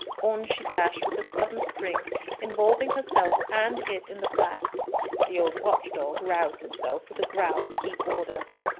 On she dashed with a sudden spring, involving herself and it in the flax. The old watch dog roused himself with a growl to keep order.